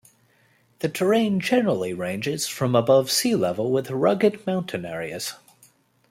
The terrain generally ranges from above sea level with rugged mountain areas.